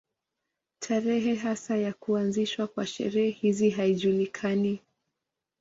Tarehe hasa ya kuanzishwa kwa sherehe hizi haijulikani.